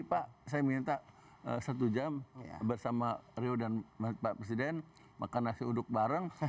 pak saya minta satu jam bersama rio dan pak presiden makan nasi uduk bareng